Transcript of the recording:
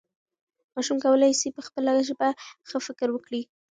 ماشوم کولی سي په خپله ژبه ښه فکر وکړي.